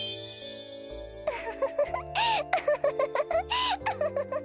ウフフフフウフフフフフ。